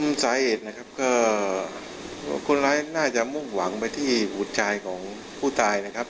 มสาเหตุนะครับก็คนร้ายน่าจะมุ่งหวังไปที่บุตรชายของผู้ตายนะครับ